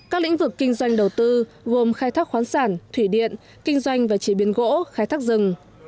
các lĩnh vực kinh doanh đầu tư gồm khai thác khoán sản thủy điện kinh doanh và chế biến gỗ khai thác rừng